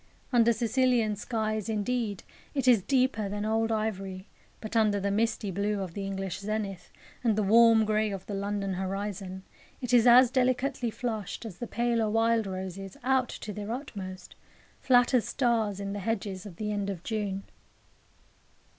Under Sicilian skies, indeed, it is deeper than old ivory; but under the misty blue of the English zenith, and the warm grey of the London horizon, it is as delicately flushed as the paler wild roses, out to their utmost, flat as stars, in the hedges of the end of June.